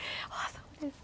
そうですね。